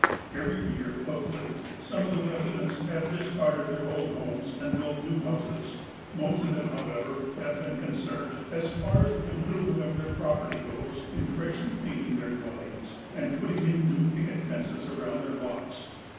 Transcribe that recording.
Every year, of late, some of the residents have dis carded their old homes and built new houses. Most of them, however, have been concerned, as far as the im provement of their property goes, in freshly painting their dwellings, and putting in new picket fences around their lots.